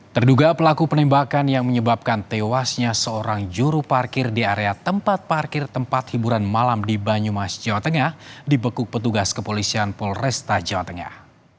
terduga pelaku penembakan yang menyebabkan tewasnya seorang juru parkir di area tempat parkir tempat hiburan malam di banyumas jawa tengah dibekuk petugas kepolisian polresta jawa tengah